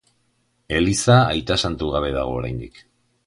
Eliza aita santu gabe dago oraindik.